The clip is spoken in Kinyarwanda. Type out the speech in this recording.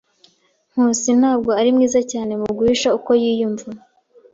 Nkusi ntabwo ari mwiza cyane mu guhisha uko yiyumva.